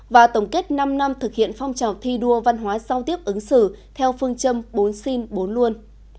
và tổng kết năm năm thực hiện phong trào thi đua văn hóa giao tiếp ứng xử theo phương châm bốn xin bốn luôn